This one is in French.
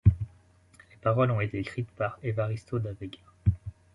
Les paroles ont été écrites par Evaristo da Veiga.